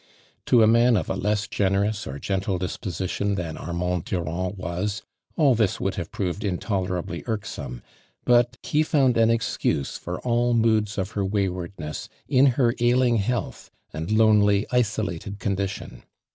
To a man of a less generous or gentle disposition tlian Armand Durand was, all this would have proved nitolerably irksome, but he found an excuse for all moods of her waywardness in her ailing health and lonely, isolated condition.